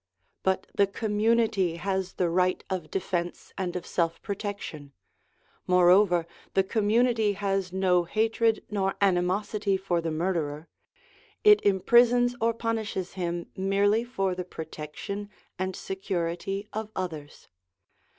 But the community has the right of defence and of self protection; moreover, the community has no hatred nor animosity for the murderer : it imprisons or punishes him merely for the protection and security of others.